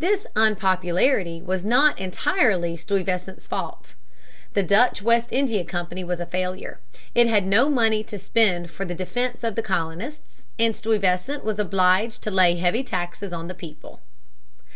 This unpopularity was not entirely Stuyvesant's fault. The Dutch West India Company was a failure. It had no money to spend for the defence of the colonists, and Stuyvesant was obliged to lay heavy taxes on the people.